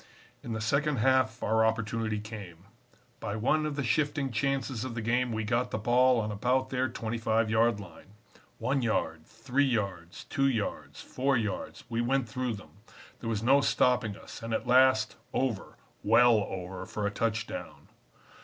"In the second half our opportunity came. By one of the shifting chances of the game we got the ball on about their 25 yard line; one yard, three yards, two yards, four yards, we went through them; there was no stopping us, and at last over, well over, for a touchdown.